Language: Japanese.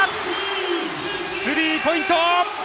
スリーポイント！